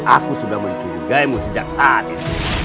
aku sudah mencurigaimu sejak saat itu